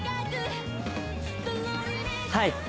はい！